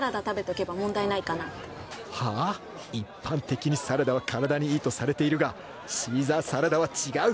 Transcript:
一般的にサラダは体にいいとされているがシーザーサラダは違う！